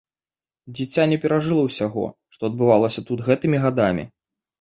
Дзіця не перажыла ўсяго, што адбывалася тут гэтымі гадамі.